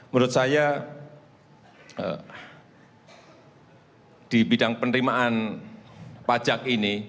menurut saya di bidang penerimaan pajak ini